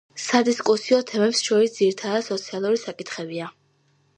სადისკუსიო თემებს შორის ძირითადად სოციალური საკითხებია.